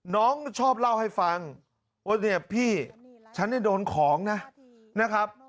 น้องชอบเล่าให้ฟังว่าเนี่ยพี่ฉันเนี่ยโดนของนะครับ